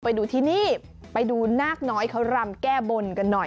ไปดูที่นี่ไปดูนาคน้อยเขารำแก้บนกันหน่อย